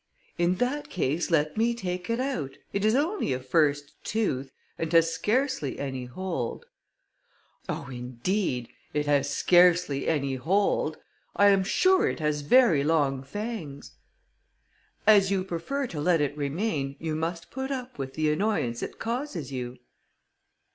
"In that case let me take it out, it is only a first tooth, and has scarcely any hold." "Oh! indeed! It has scarcely any hold! I am sure it has very long fangs." "As you prefer to let it remain, you must put up with the annoyance it causes you."